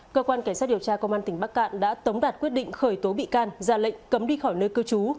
cơ quan cảnh sát điều tra công an tỉnh bắc cạn đã tống đạt quyết định khởi tố bị can ra lệnh cấm đi khỏi nơi cư trú